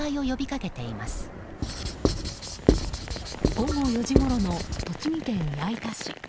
午後４時ごろの栃木県矢板市。